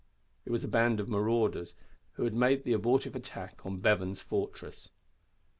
It was the band of marauders who had made the abortive attack on Bevan's fortress.